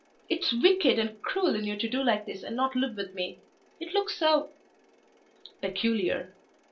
It's wicked and cruel in you to do like this and not live with me. It looks so " "Peculiar."